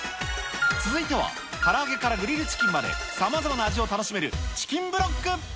続いては、から揚げからグリルチキンまで、さまざまな味を楽しめるチキンブロック。